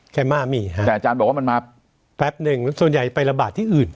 แมม่ามีฮะแต่อาจารย์บอกว่ามันมาแป๊บหนึ่งส่วนใหญ่ไประบาดที่อื่น